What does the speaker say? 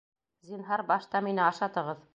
Зинһар, башта мине ашатығыҙ.